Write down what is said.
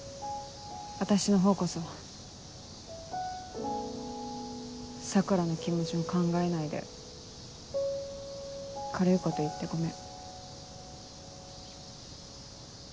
私のほうこそ桜の気持ちも考えないで軽いこと言ってごめん。